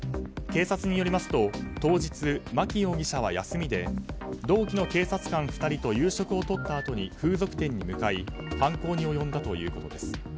警察によりますと当日、牧容疑者は休みで同期の警察官２人と夕食をとったあとに風俗店に向かい犯行に及んだということです。